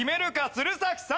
鶴崎さん。